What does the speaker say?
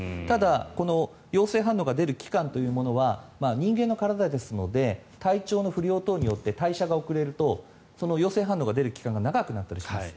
ただ、陽性反応が出る期間というものは人間の体ですので体調の不良等によって代謝が遅れると陽性反応が出る期間が長くなったりします。